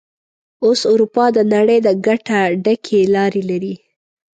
اوس اروپا د نړۍ د ګټه ډکې لارې لري.